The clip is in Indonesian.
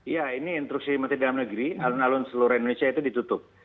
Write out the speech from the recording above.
ya ini instruksi menteri dalam negeri alun alun seluruh indonesia itu ditutup